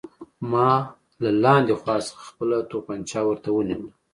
ما له لاندې خوا څخه خپله توپانچه ورته ونیوله